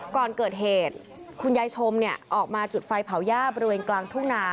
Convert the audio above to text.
ก่อนเกิดเหตุคุณยายชมออกมาจุดไฟเผาย่าบริเวณกลางทุ่งนา